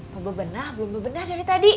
mau bebenah belum bebenah dari tadi